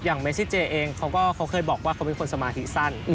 เมซิเจเองเขาเคยบอกว่าเขาเป็นคนสมาธิสั้น